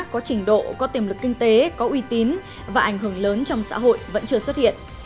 có trình độ có tiềm lực kinh tế có uy tín và ảnh hưởng lớn trong xã hội vẫn chưa xuất hiện